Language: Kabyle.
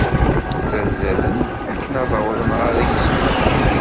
Ttazzalen akken ad awḍen ɣer yeswi.